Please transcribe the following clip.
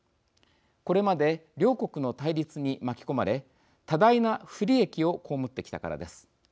これまで、両国の対立に巻き込まれ、多大な不利益を被ってきたからです。